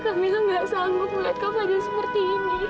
kak mila nggak sanggup melihat kak fadil seperti ini